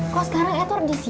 kok sekarang edward disini sih